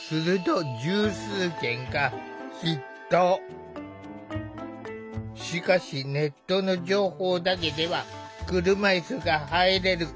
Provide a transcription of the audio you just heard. するとしかしネットの情報だけでは車いすが入れるか分からない。